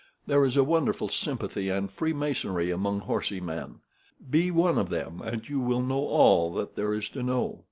There is a wonderful sympathy and freemasonry among horsey men. Be one of them, and you will know all that there is to know.